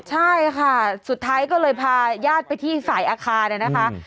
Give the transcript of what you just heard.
ใช่ค่ะสุดท้ายก็เลยพาญาติไปที่สายอาคารเนี่ยนะคะ